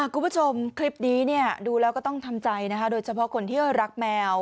คุณผู้ชมคลิปนี้ดูแล้วก็ต้องทำใจนะคะโดยเฉพาะคนที่รักแมว